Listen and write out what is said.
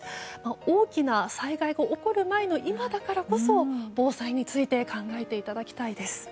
大きな災害が起こる前の今だからこそ防災について考えていただきたいです。